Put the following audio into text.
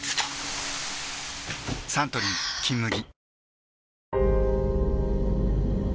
サントリー「金麦」